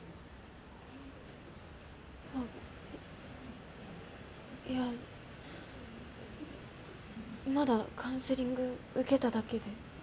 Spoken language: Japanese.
あっいやまだカウンセリング受けただけで。